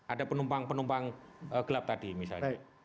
ada penumpang penumpang gelap tadi misalnya